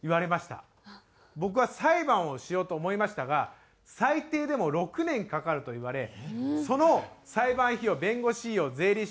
僕は裁判をしようと思いましたが最低でも６年かかると言われその裁判費用弁護士費用税理士費用